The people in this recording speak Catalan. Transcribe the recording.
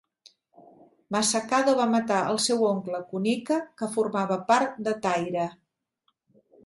Masakado va matar al seu oncle Kunika que formava part de Taira.